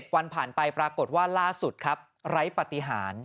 วันผ่านไปปรากฏว่าล่าสุดครับไร้ปฏิหาร